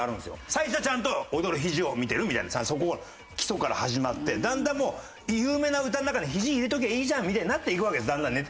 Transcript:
最初はちゃんと「踊るひじを見てる」みたいなそこ基礎から始まってだんだんもう有名な歌の中にひじ入れときゃいいじゃんみたいになっていくわけですだんだんね。